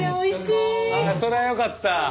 それはよかった。